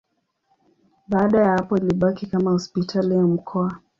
Baada ya hapo ilibaki kama hospitali ya mkoa.